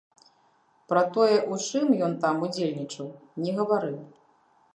Пра тое, у чым ён там удзельнічаў, не гаварыў.